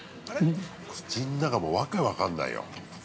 口ん中、訳分かんないよ。